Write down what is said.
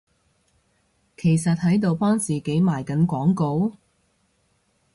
其實喺度幫自己賣緊廣告？